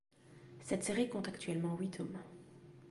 Cette série compte actuellement huit tomes.